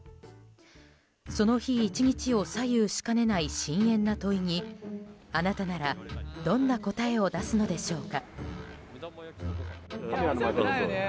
その日１日を左右しかねない深淵な問いにあなたならどんな答えを出すのでしょうか。